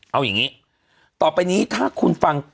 เอาอย่างนี้ต่อไปนี้ถ้าคุณฟัง